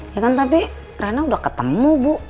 ya kan tapi rana udah ketemu bu